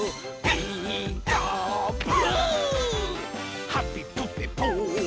「ピーカーブ！」